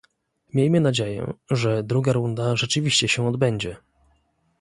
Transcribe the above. Miejmy nadzieję, że druga runda rzeczywiście się odbędzie